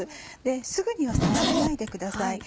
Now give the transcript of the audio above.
すぐには触らないでください。